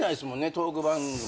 トーク番組。